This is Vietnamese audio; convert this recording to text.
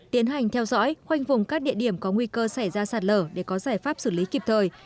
tiến hành theo dõi khoanh vùng các địa điểm có nguy cơ xảy ra sạt lở để có giải pháp xử lý kịp thời